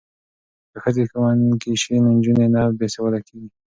که ښځې ښوونکې شي نو نجونې نه بې سواده کیږي.